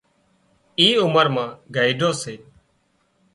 اي عمر مان گئيڍو سي